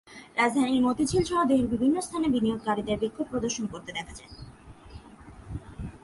রাজধানীর মতিঝিলসহ দেশের বিভিন্ন স্থানে বিনিয়োগকারীদের বিক্ষোভও প্রদর্শন করতে দেখা যায়।